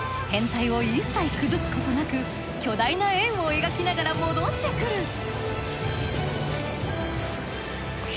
編隊を一切崩すことなく巨大な円を描きながら戻ってくる。